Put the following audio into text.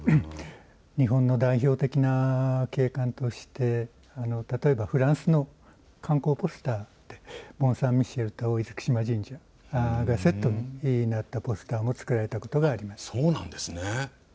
日本の代表的な景観として例えばフランスの観光ポスター、モンサンミシェル、厳島神社がセットになったポスターを作られたことがあります。